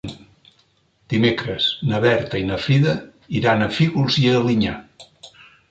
Dimecres na Berta i na Frida iran a Fígols i Alinyà.